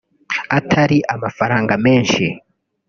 atari amafaranga menshi